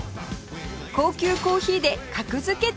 高級コーヒーで格付けチェック